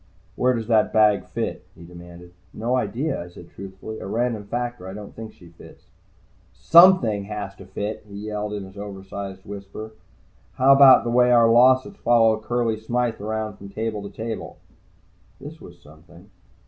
"Where does that bag fit?" he demanded. "No idea," I said truthfully. "A random factor. I don't think she fits." "Something has to fit!" he yelled in his oversized whisper. "How about the way our losses follow Curley Smythe around from table to table?" This was something.